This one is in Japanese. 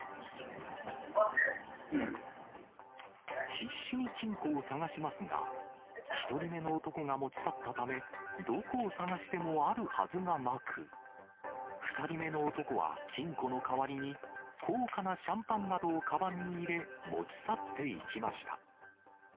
必死に金庫を探しますが、１人目の男が持ち去ったため、どこを探してもあるはずがなく、２人目の男は金庫の代わりに、高価なシャンパンなどをかばんに入れ、持ち去っていきました。